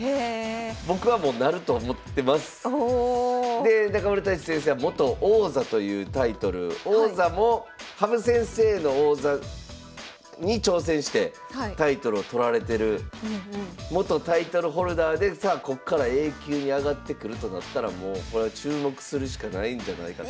で中村太地先生は元王座というタイトル王座も羽生先生の王座に挑戦してタイトルを取られてる元タイトルホルダーでさあこっからＡ級に上がってくるとなったらもうこれは注目するしかないんじゃないかと。